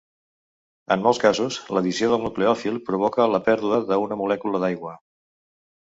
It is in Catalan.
En molts casos, l'addició del nucleòfil provoca la pèrdua d'una molècula d'aigua.